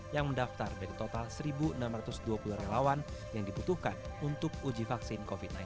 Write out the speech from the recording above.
yang mendaftar dari total satu enam ratus dua puluh relawan yang dibutuhkan untuk uji vaksin covid sembilan belas